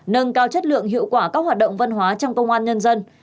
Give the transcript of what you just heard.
nâng cao chất lượng hiệu quả các hoạt động văn hóa trong công an nhân dân